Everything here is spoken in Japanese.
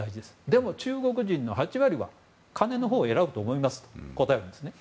でも、中国人の８割は金のほうを選ぶと思いますと答えるんですね。